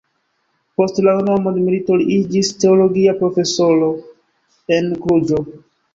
Post la unua mondmilito li iĝis teologia profesoro en Kluĵo.